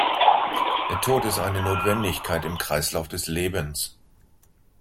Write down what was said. Der Tod ist eine Notwendigkeit im Kreislauf des Lebens.